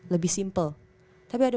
lebih simple tapi ada